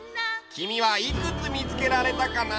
きみはいくつみつけられたかな？